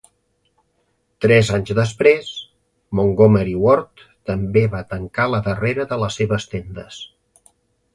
Tres anys després, Montgomery Ward també va tancar la darrera de les seves tendes.